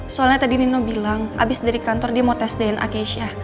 soalnya tadi nino bilang abis dari kantor dia mau tes dna keisha